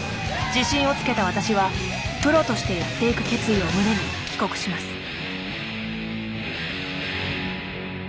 自信をつけた私はプロとしてやっていく決意を胸に帰国します。